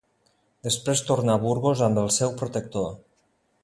Després tornà a Burgos amb el seu protector.